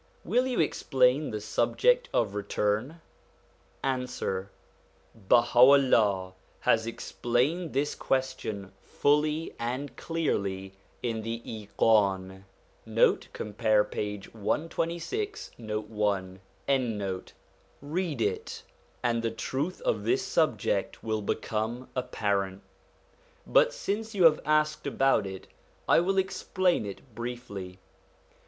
Will you explain the subject of Return ? Answer. Baha'u'llah has explained this question fully and clearly in the Iqan : l read it, and the truth of this subject will become apparent. But, since you have asked about it, I will explain it briefly.